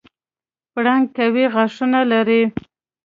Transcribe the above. پړانګ قوي غاښونه لري.